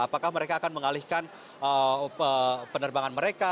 apakah mereka akan mengalihkan penerbangan mereka